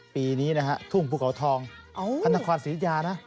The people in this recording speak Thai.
ปีนี้นะฮะทุ่งภูเกาทองอ๋อธนครศิริยานะอ๋อ